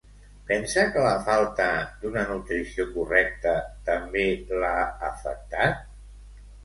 Pensa que la falta d'una nutrició correcta també l'ha afectat?